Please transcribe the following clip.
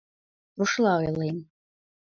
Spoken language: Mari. Рушла ойлем.